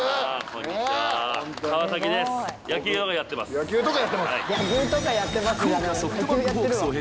野球とかやってます。